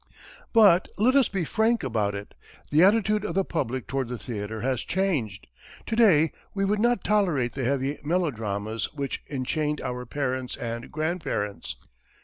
But let us be frank about it. The attitude of the public toward the theatre has changed. To day we would not tolerate the heavy melodramas which enchained our parents and grandparents.